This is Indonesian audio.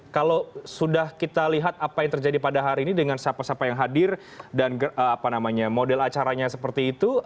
kalau sudah kita lihat apa yang terjadi pada hari ini dengan siapa siapa yang hadir dan model acaranya seperti itu